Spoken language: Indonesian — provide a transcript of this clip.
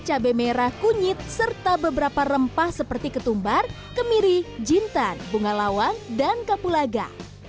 cabai merah kunyit serta beberapa rempah seperti ketumbar kemiri jintan bunga lawang dan kapulaga